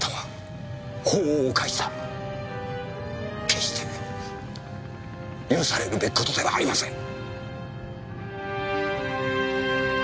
決して許されるべき事ではありません！